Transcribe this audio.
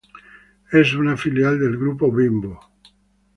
Es una filial del Grupo Bimbo.